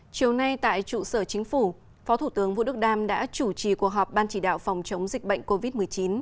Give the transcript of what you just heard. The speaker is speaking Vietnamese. chiều nay tại trụ sở chính phủ phó thủ tướng vũ đức đam đã chủ trì cuộc họp ban chỉ đạo phòng chống dịch bệnh covid một mươi chín